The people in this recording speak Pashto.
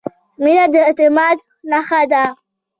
• مینه د اعتماد نښه ده.